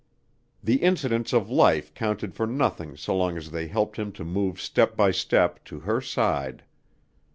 The incidents of life counted for nothing so long as they helped him to move step by step to her side.